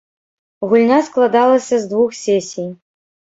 Гульня складалася з двух сесій.